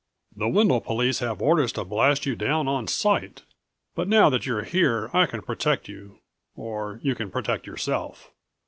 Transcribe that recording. "The Wendel police have orders to blast you down on sight, but now that you're here I can protect you or you can protect yourself.